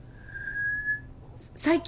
最近？